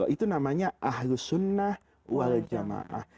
itu namanya ahlus sunnah wal jamaah